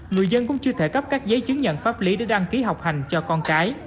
người dân cũng chưa thể cấp các giấy chứng nhận pháp lý để đăng ký học hành cho con cái